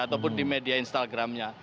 ataupun di media instagramnya